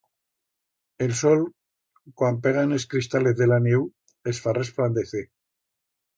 El sol cuan pega en es cristalez de la nieu es fa resplandecer.